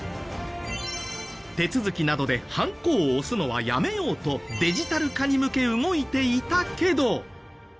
手続きなどでハンコを押すのはやめようとデジタル化に向け動いていたけど。